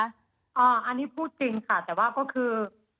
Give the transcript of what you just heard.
อันนี้พูดจริงค่ะแต่ว่าก็คือ